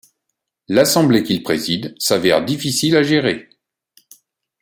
L'assemblée qu'il préside s'avère difficile à gérer.